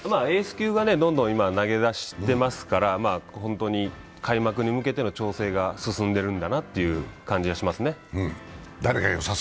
エース級がどんどん、今投げ出してますから開幕に向けての調整が進んでいるんだなという感じがしますね。